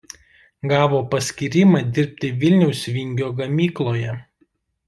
Gavo paskyrimą dirbti Vilniaus „Vingio“ gamykloje.